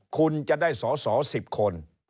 คุณจะได้สอสอ๑๐คน